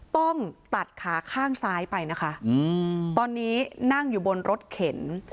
ต้องตัดขาข้างซ้ายไปนะคะตอนนี้นั่งอยู่บนรถเข็น